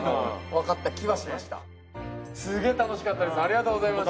すげぇ楽しかったです